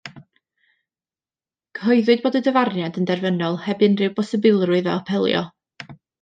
Cyhoeddwyd bod y dyfarniad yn derfynol heb unrhyw bosibilrwydd o apelio.